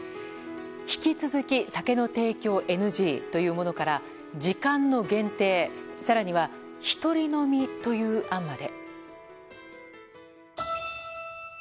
引き続き、酒の提供ＮＧというものから時間の限定、更には１人飲みという案まで。